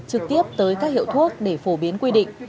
trực tiếp tới các hiệu thuốc để phổ biến quy định